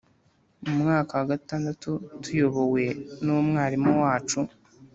mu mwaka wa gatandatu tuyobowe n’umwarimu wacu